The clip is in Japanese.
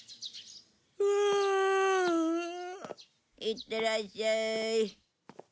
いってらっしゃい。